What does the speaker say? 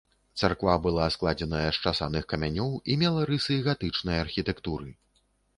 Царква была складзеная з часаных камянёў і мела рысы гатычнай архітэктуры.